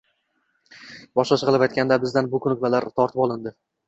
Boshqacha qilib aytganda, bizdan bu ko‘nikmalar tortib olindi